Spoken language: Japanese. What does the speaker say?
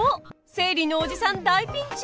生理のおじさん大ピンチ！